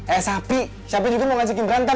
eh sapi sapi juga mau ngasih kim berantem